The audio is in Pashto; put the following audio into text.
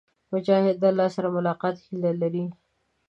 مجاهد د الله سره د ملاقات هيله لري.